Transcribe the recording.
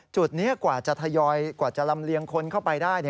จุดนี้กว่าจะทยอยกว่าจะลำเลียงคนเข้าไปได้